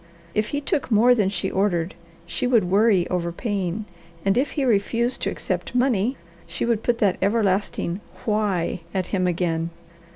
If he took more than she ordered, she would worry over paying, and if he refused to accept money, she would put that everlasting "why" at him again.